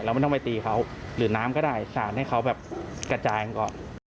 ไม่ต้องไปตีเขาหรือน้ำก็ได้สาดให้เขาแบบกระจายกันก่อน